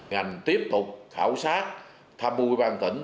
ngành tiếp tục khảo sát thăm mưu ủy ban tỉnh